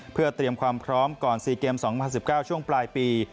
เพื่อเตรียมความพร้อมก่อน๔เกม๒๐๑๙ช่วงปลายปี